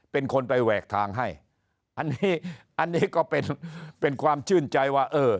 เป็นคนไปแหวกทางให้อันนี้ก็เป็นความชื่นใจว่า